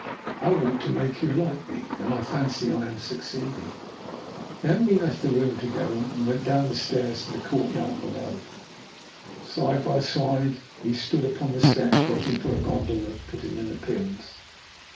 I want to make you like me, and I fancy I am succeeding." Then we left the room together, and went down the stairs to the courtyard below. Side by side we stood upon the steps waiting for a gondola to put in an appearance.